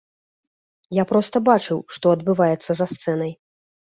Я проста бачыў, што адбываецца за сцэнай.